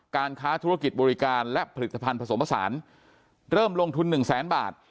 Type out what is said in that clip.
การค้าธุรกิจบริการและผลิตภัณฑ์ผสมผสานเริ่มลงทุนหนึ่งแสนบาท